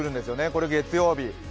これが月曜日。